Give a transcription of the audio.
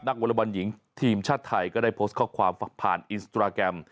วอลบอลหญิงทีมชาติไทยก็ได้โพสต์ข้อความผ่านอินสตราแกรม